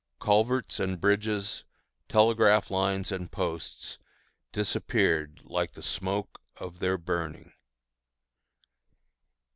Culverts and bridges, telegraph lines and posts, disappeared like the smoke of their burning.